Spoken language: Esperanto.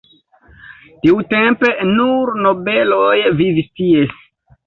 Tiutempe nur nobeloj vivis tie.